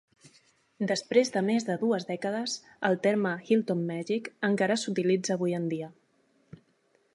Després de més de dues dècades, el terme "Hilton Magic" encara s'utilitza avui en dia.